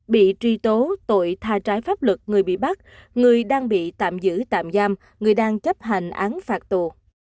bị truy tố tội tha trái pháp luật người bị bắt người đang bị tạm giữ tạm giam người đang chấp hành án phạt tù